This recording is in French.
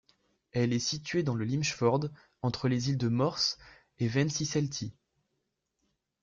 Elle est située dans le Limfjord, entre les îles de Mors et Vendsyssel-Thy.